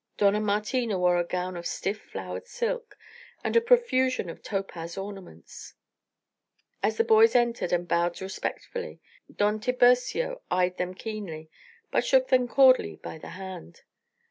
Dona Martina wore a gown of stiff flowered silk and a profusion of topaz ornaments. As the boys entered and bowed respectfully, Don Tiburcio eyed them keenly, but shook them cordially by the hand.